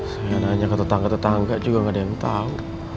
saya nanya ke tetangga tetangga juga nggak ada yang tahu